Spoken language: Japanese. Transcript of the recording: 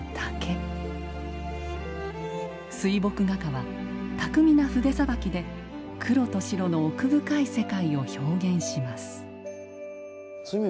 水墨画家は巧みな筆さばきで黒と白の奥深い世界を表現します